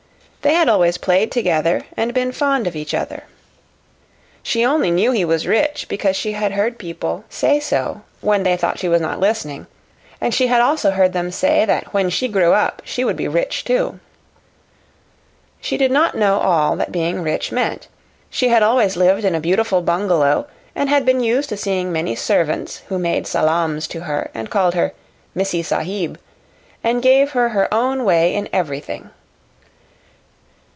They had always played together and been fond of each other. She only knew he was rich because she had heard people say so when they thought she was not listening, and she had also heard them say that when she grew up she would be rich, too. She did not know all that being rich meant. She had always lived in a beautiful bungalow, and had been used to seeing many servants who made salaams to her and called her "Missee Sahib," and gave her her own way in everything.